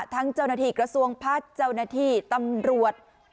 เจ้าหน้าที่กระทรวงพัฒน์เจ้าหน้าที่ตำรวจ